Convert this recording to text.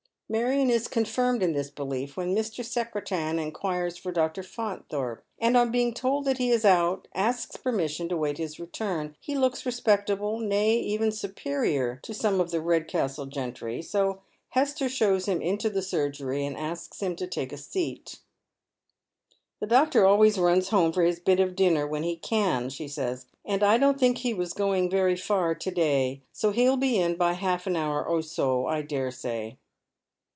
Marion is confirmed in this belief when Mr. Secretan inquires for Dr. Faunthorpe, and on being told that he is out, asks per aiiseion to wait his return. He looks r«^s^pectable, nay, evea 340 l)ead Men's Shoes. superior to some of the Eedcastle gentrj'', so Hester shows him into the surgery, and asks him to take a seat. " The doctor always runs home for his bit of dinner when he can," she says, " and I don't think he "vas going very far to day, BO he'll be in by half an hour or so, I dare say."